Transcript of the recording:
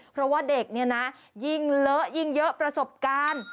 เพราะว่าเด็กเนี่ยนะยิ่งเลอะยิ่งเยอะประสบการณ์